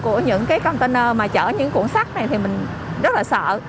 của những cái container mà chở những cuộn sắt này thì mình rất là sợ